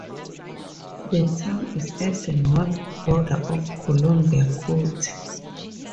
The town is at the north border of Columbia County.